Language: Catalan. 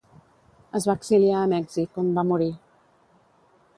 Es va exiliar a Mèxic, on va morir.